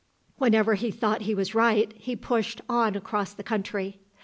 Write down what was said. Whenever he thought he was right, he pushed on across the country.